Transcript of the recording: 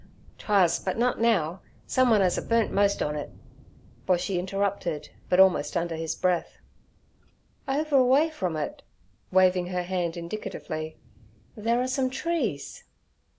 'Twuz, but nut now. Someun 'as a burnt most on it' Boshy interrupted, but almost under his breath. 'Over away from it' waving her hand indicatively, 'there are some trees.'